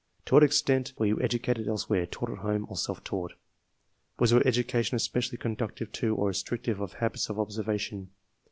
To what extent were you educated else where, taught at home, or self taught? Was your education especially conducive to, or restrictive of habits of observation?